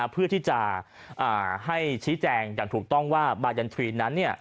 เพื่อที่จะให้ชี้แจงอย่างถูกต้องว่าบายันทรีนนั้น